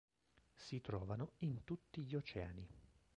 Si trovano in tutti gli oceani.